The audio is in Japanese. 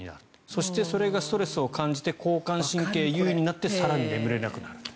そして、それがストレスを感じて交感神経が優位になって更に眠れなくなると。